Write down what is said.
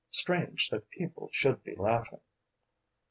Strange that people should be laughing!